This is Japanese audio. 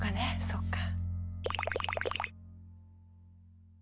そっか。